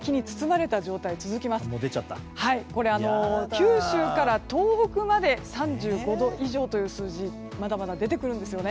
九州から東北まで３５度以上という数字まだまだ出てくるんですよね。